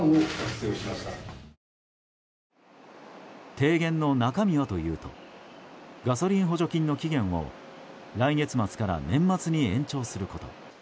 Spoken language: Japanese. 提言の中身はというとガソリン補助金の期限を来月末から年末に延長すること。